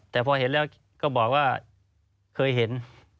แต่พอเห็นแล้วก็บอกว่าเคยเห็น